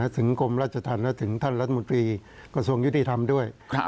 ถึงกรมราชธรรมและถึงท่านรัฐมนตรีกระทรวงยุติธรรมด้วย